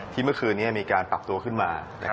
เมื่อคืนนี้มีการปรับตัวขึ้นมา